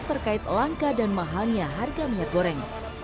terkait langka dan mahalnya harga minyak goreng